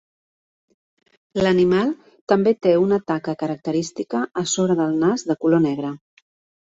L'animal també té una taca característica a sobre del nas de color negre.